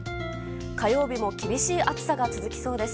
火曜日も厳しい暑さが続きそうです。